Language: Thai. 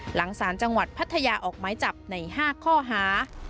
หลังศาลจังหวัดพัทยาออกไม้จับใน๕ข้อหา